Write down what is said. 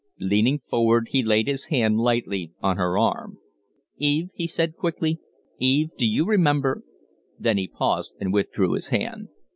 Leaning forward, he laid his hand lightly on her arm. "Eve," he said, quickly "Eve, do you remember?" Then he paused and withdrew his hand.